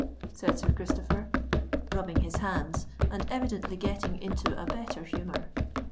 said Sir Christopher, rubbing his hands, and evidently getting into a better humour.